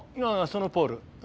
ああそのポール。